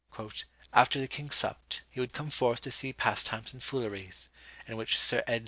"After the king supped, he would come forth to see pastimes and fooleries; in which Sir Ed.